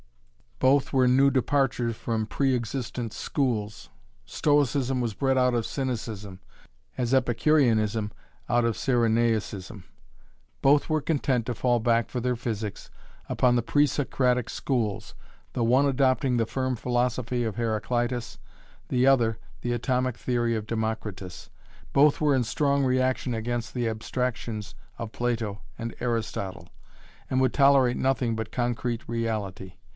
Both were new departures from pre existent schools. Stoicism was bred out of Cynicism, as Epicureanism out of Cyrenaicism. Both were content to fall back for their physics upon the pre Socratic schools, the one adopting the firm philosophy of Heraclitus, the other the atomic theory of Democritus. Both were in strong reaction against the abstractions of Plato and Aristotle, and would tolerate nothing but concrete reality.